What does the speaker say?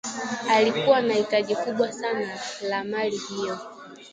Alikuwa na hitaji kubwa sana la mali hiyo